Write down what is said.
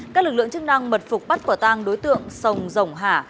các lực lượng chức năng mật phục bắt quả tang đối tượng sồng rồng hả